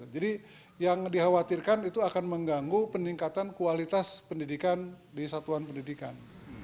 jadi yang dikhawatirkan itu akan mengganggu peningkatan kualitas pendidikan di satuan pendidikan